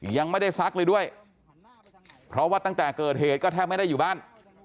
ยังไม่ได้ซักเลยด้วยเพราะว่าตั้งแต่เกิดเหตุก็แทบไม่ได้อยู่บ้าน